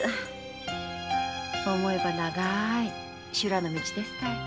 思えば長い修羅の道ですたい。